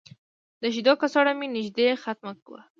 د شیدو کڅوړه مې نږدې ختمه وه.